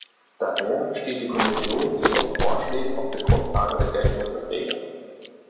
Daher steht die Kommission zu ihren Vorschlägen auf der Grundlage der geltenden Verträge.